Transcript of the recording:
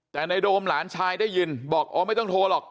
แต่ในโดมหลานชายได้ยินบอกอ๋อไม่ต้องโทรหรอก